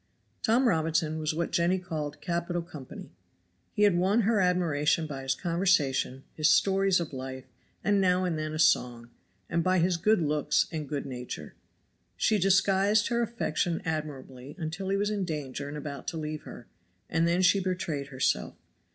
Tom Robinson was what Jenny called "capital company." He had won her admiration by his conversation, his stories of life, and now and then a song, and by his good looks and good nature. She disguised her affection admirably until he was in danger and about to leave her and then she betrayed herself.